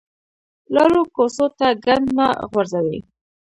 لارو کوڅو ته ګند مه غورځوئ